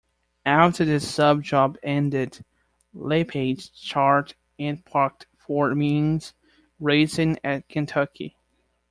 After the sub job ended, Lepage start and parked for Means Racing at Kentucky.